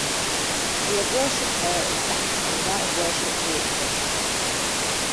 He had worshiped her, as Dante might have worshiped Beatrice.